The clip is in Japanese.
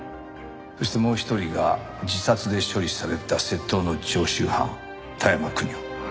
そしてもう一人が自殺で処理された窃盗の常習犯田山邦夫。